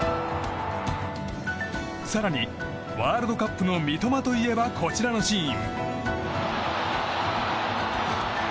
更に、ワールドカップの三笘といえば、こちらのシーン。